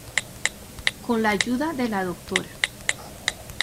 Con la ayuda de la Dra.